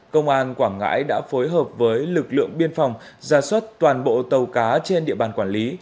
công an quảng ngãi đã phối hợp với lực lượng biên phòng ra soát toàn bộ tàu cá trên địa bàn quản lý